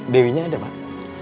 dewinya ada pak